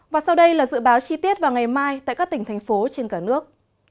và sau đây là dự báo chi tiết vào ngày mai tại các tỉnh thành phố trên cả nước